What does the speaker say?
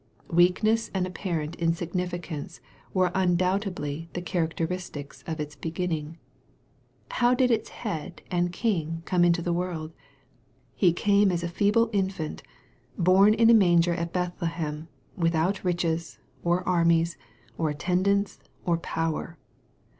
Weakness and apparent insignificance were undoubt edly the characteristics of its beginning. How did its Head and King come into the world ? He came as a feeble infant, born in a manger at Bethlehem, without riches, or armies, or attendants, or power.